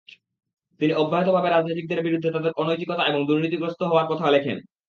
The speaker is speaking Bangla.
তিনি অব্যাহতভাবে রাজনীতিকদের বিরুদ্ধে তাদের অনৈতিকতা এবং দুর্নীতিগ্রস্ত হওয়ার কথা লেখেন।